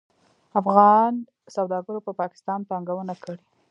افغان سوداګرو په پاکستان پانګونه کړې.